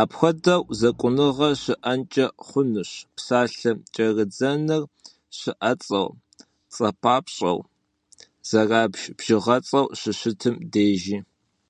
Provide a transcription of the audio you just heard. Апхуэдэу зэкӏуныгъэ щыӏэнкӏэ хъунущ псалъэ кӏэрыдзэныр щыӏэцӏэу, цӏэпапщӏэу, зэрабж бжыгъэцӏэу щыщытым дежи.